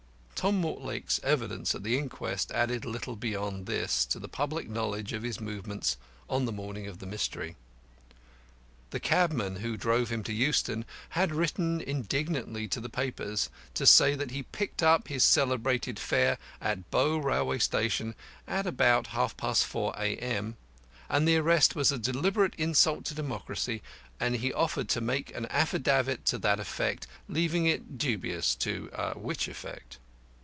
Tom Mortlake's evidence at the inquest added little beyond this to the public knowledge of his movements on the morning of the Mystery. The cabman who drove him to Euston had written indignantly to the papers to say that he picked up his celebrated fare at Bow Railway Station at about half past four A.M., and the arrest was a deliberate insult to democracy, and he offered to make an affidavit to that effect, leaving it dubious to which effect.